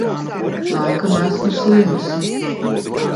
Laikam esmu slims.